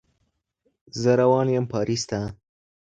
زه روان یم پاريس ته